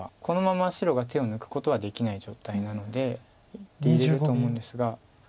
このまま白が手を抜くことはできない状態なので１手入れると思うんですが。